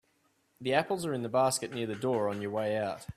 The apples are in the basket near the door on your way out.